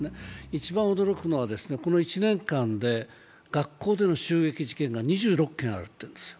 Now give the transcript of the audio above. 一番驚くのは、この１年間で学校での襲撃事件が２６件あるというんです。